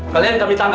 kalian diambil tangga